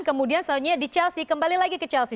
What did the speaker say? kemudian selanjutnya di chelsea kembali lagi ke chelsea